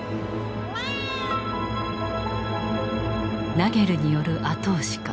ナゲルによる後押しか